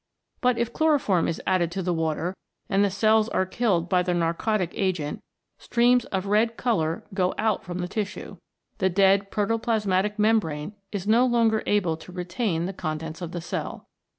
But if chloroform is added to the water and the cells are killed by the narcotic agent, streams of red colour go out from the tissue. The dead protoplasmatic membrane is no longer able to retain the contents of the cell.